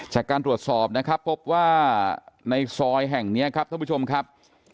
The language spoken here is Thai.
จากการตรวจสอบนะครับพบว่าในซอยแห่งนี้ครับท่านผู้ชมครับ